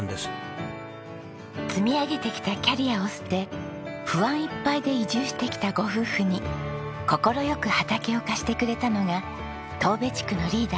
積み上げてきたキャリアを捨て不安いっぱいで移住してきたご夫婦に快く畑を貸してくれたのが当部地区のリーダー